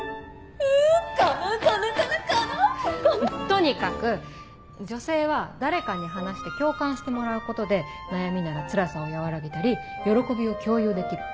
とにかく女性は誰かに話して共感してもらうことで悩みならつらさを和らげたり喜びを共有できる。